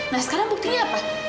nah sekarang buktinya apa